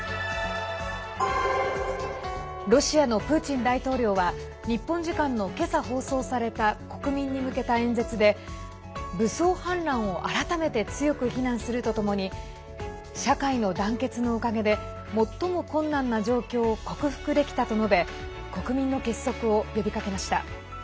ロシアのプーチン大統領は日本時間の今朝、放送された国民に向けた演説で、武装反乱を改めて強く非難するとともに社会の団結のおかげで最も困難な状況を克服できたと述べ国民の結束を呼びかけました。